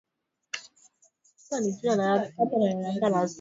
viazi lishe vina virutubishi vingine vingi pamoja na kuwa na wanga